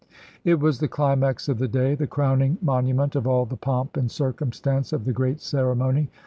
It was the climax of the day, the crowning monu ment of all the pomp and circumstance of the great ceremony.